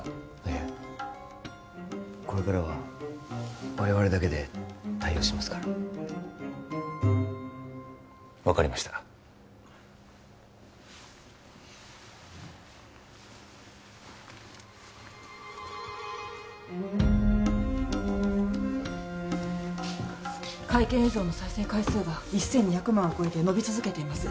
いえこれからは我々だけで対応しますから分かりました会見映像の再生回数が１２００万を超えて伸び続けています